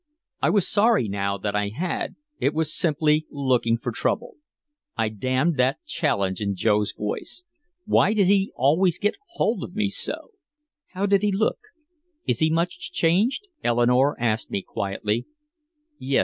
I was sorry now that I had, it was simply looking for trouble. I damned that challenge in Joe's voice. Why did he always get hold of me so? "How did he look? Is he much changed?" Eleanore asked me quietly. "Yes.